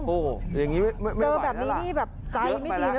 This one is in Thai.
โอ้โฮอย่างนี้ไม่ไหวแล้วล่ะเยอะไปแล้ว